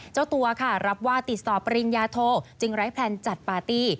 เจ้าตัวค่ะรับว่าติดต่อปริญญาโทจึงไร้แพลนจัดปาร์ตี้